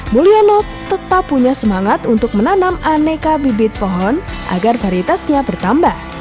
mulyono tetap punya semangat untuk menanam aneka bibit pohon agar varitasnya bertambah